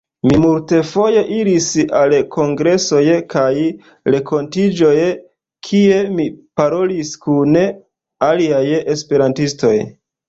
Mi multfoje iris al kongresoj kaj renkontiĝoj, kie mi parolis kun aliaj esperantistoj.